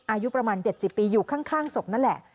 อายุประมาณ๗๐ปีอยู่ข้างศพนั่นแหละ